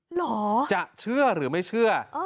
เหรอจะเชื่อหรือไม่เชื่อ